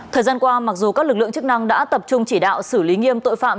thời gian qua mặc dù các lực lượng chức năng đã tập trung chỉ đạo xử lý nghiêm tội phạm